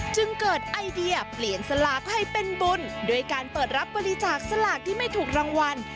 จึงเกิดไอเดียเปลี่ยนสลากให้เป็นบุญด้วยการเปิดรับบริจาคสลากที่ไม่ถูกรางวัล